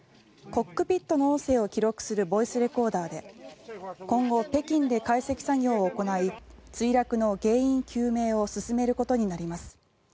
コックピットの音声を記録するボイスレコーダーで今後、北京で解析作業を行い墜落の原因究明を進めることになります。